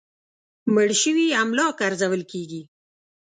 مړ شوي املاک ارزول کېږي.